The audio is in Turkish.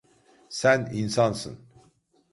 Sen insansın.